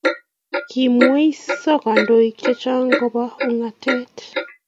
kimweiso kandoik chechang koba ungatet